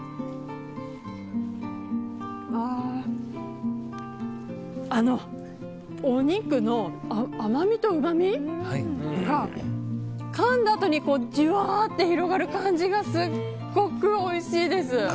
ああお肉の甘みとうまみがかんだあとにじわっと広がる感じがすごくおいしいです！